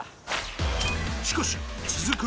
しかし続く